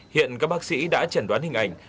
hiện các bác sĩ đã chẩn đoán hình ảnh